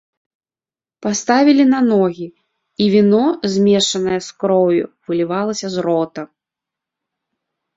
Паставілі на ногі, і віно, змешанае з кроўю, вылівалася з рота.